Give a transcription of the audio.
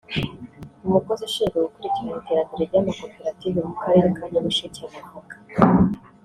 umukozi ushinzwe gukurikirana iterambere ry’amakoperative mu karere ka Nyamasheke abivuga